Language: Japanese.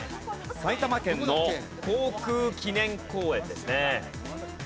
埼玉県の航空記念公園ですね。